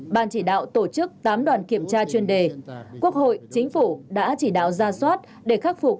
ban chỉ đạo tổ chức tám đoàn kiểm tra chuyên đề quốc hội chính phủ đã chỉ đạo ra soát để khắc phục